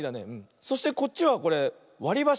そしてこっちはこれわりばし。